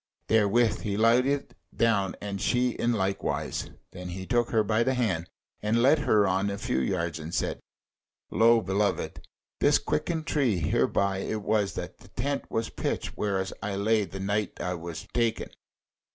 Therewith he lighted down and she in likewise: then he took her by the hand and led her on a few yards, and said: "Lo, beloved, this quicken tree; hereby it was that the tent was pitched wherein I lay the night when I was taken."